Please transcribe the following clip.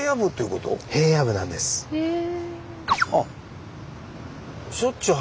へえ。